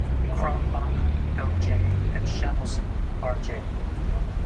Cronbach, L. J., and Shavelson, R. J.